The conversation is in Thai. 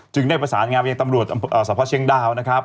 จึงได้ประสานงานวิทยาลัยตำรวจสรรพธ์เชียงดาวนะครับ